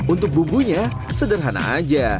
untuk bubunya sederhana aja